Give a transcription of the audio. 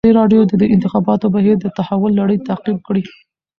ازادي راډیو د د انتخاباتو بهیر د تحول لړۍ تعقیب کړې.